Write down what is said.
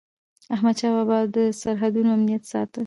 احمدشاه بابا به د سرحدونو امنیت ساته.